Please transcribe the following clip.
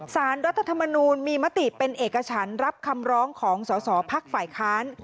สารรัฐธรรมนูลมีมติเป็นเอกฉันรับคำร้องของสอสอพักฝ่ายค้าน